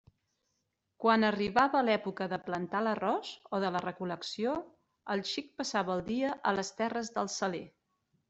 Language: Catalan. Quan arribava l'època de plantar l'arròs o de la recol·lecció, el xic passava el dia a les terres del Saler.